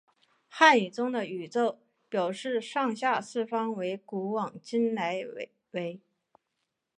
汉语中的宇宙表示上下四方为古往今来为。